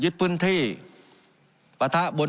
การปรับปรุงทางพื้นฐานสนามบิน